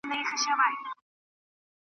لا تر څو به د پردیو له شامته ګیله من یو .